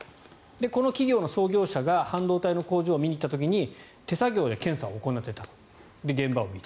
この企業の創業者が半導体の工場を見に行った時に手作業で検査を行っていたという現場を見た。